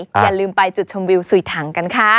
อย่าลืมไปจุดชมวิวสุยถังกันค่ะ